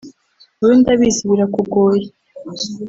wowe ndabizi birakugoye